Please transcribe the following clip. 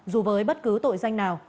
dù với bất cứ tội danh nào